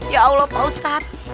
ya allah pak ustadz